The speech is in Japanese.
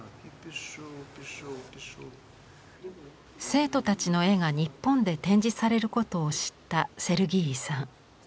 生徒たちの絵が日本で展示されることを知ったセルギーイさん。